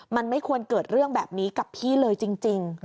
มันไม่ควรเกิดเรื่องแบบนี้กับพี่เลยจริง